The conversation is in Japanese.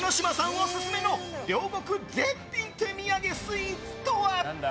オススメの両国絶品手土産スイーツとは？